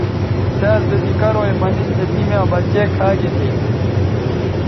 څھیال بے زی کرو یے مہ نِن تی میاں بچے کھا گے تھے